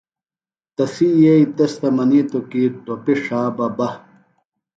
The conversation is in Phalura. تسی یئی تس تھےۡ منِیتوۡ کی ٹوپیۡ ݜا بہ بہ۔